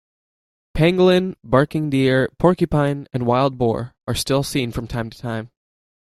Pangolin, barking deer, porcupine and wild boar are still seen from time to time.